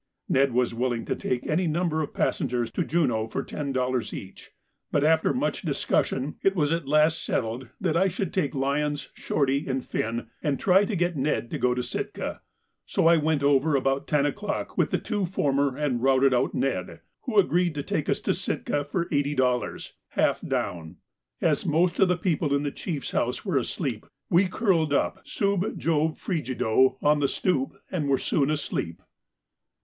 Ned was willing to take any number of passengers to Juneau for ten dollars each, but after much discussion it was at last settled that I should take Lyons, Shorty, and Finn, and try to get Ned to go to Sitka; so I went over about ten o'clock with the two former and routed out Ned, who agreed to take us to Sitka for eighty dollars, half down. As most of the people in the Chief's house were asleep, we curled up sub Jove frigido on the stoop, and were soon asleep.